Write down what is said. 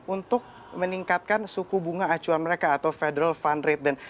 untuk meningkatkan suku bunga acuan mereka atau federal fund rate